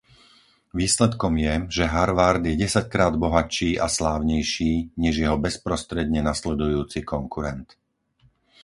Výsledkom je, že Harvard je desaťkrát bohatší a slávnejší, než jeho bezprostredne nasledujúci konkurent.